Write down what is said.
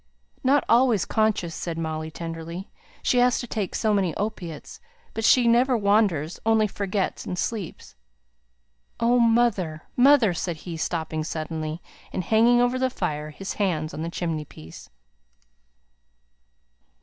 "Not always conscious," said Molly, tenderly. "She has to take so many opiates. But she never wanders, only forgets, and sleeps." "Oh, mother, mother!" said he, stopping suddenly, and hanging over the fire, his hands on the chimney piece.